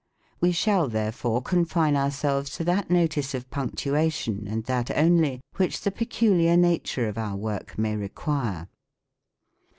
We shall, therefore, confine ourselves to that notice of Punctuation, and that only, which the peculiar nature of our work may require.